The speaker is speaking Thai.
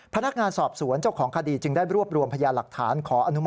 พนักงานสอบสวนเจ้าของคดีจึงได้รวบรวมพยานหลักฐานขออนุมั